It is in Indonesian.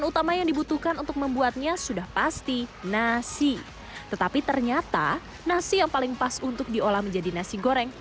tetapi ternyata nasi yang paling pas untuk diolah menjadi nasi goreng